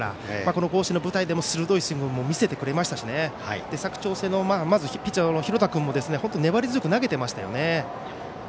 この甲子園の舞台でも鋭いスイングを見せてくれましたし佐久長聖のピッチャーの廣田君も粘り強く投げていましたよね。